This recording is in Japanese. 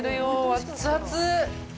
熱々。